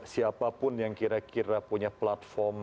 siapapun yang kira kira punya platform dan punya platform